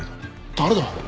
誰だ？